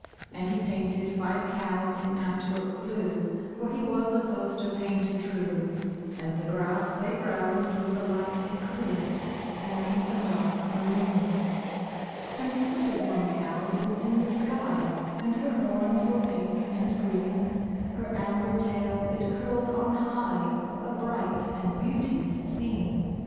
And he painted five cows in Antwerp blue (For he was a poster painter true), And the grass they browsed was a light écru And a dark maroon. And the foot of one cow was in the sky, And her horns were pink and green; Her amber tail it curled on high A bright and beauteous scene.